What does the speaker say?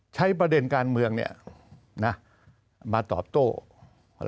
ใช้ประเด็นการเมืองเนี้ยนะมาตอบโต้เอ่อ